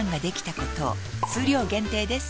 数量限定です